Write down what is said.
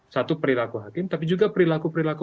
satu perilaku hakim tapi juga perilaku perilaku